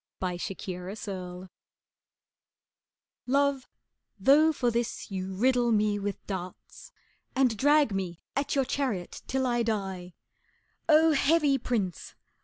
Four Sonnets I Love, though for this you riddle me with darts, And drag me at your chariot till I die, Oh, heavy prince!